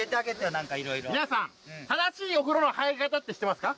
何か色々皆さん正しいお風呂の入り方って知ってますか？